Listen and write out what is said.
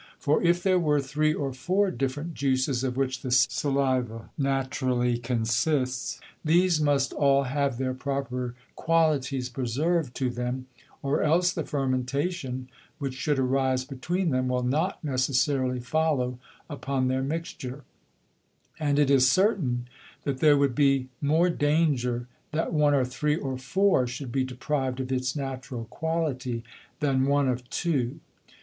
For, if there were three or four different Juices, of which the Saliva naturally consists, these must all have their proper Qualities preserved to them, or else the Fermentation, which should arise between them, will not necessarily follow upon their mixture; and it is certain, that there would be more Danger, that one of three or four should be deprived of its Natural Quality, than one of two.